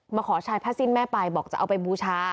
ขอชายผ้าสิ้นแม่ไปบอกจะเอาไปบูชา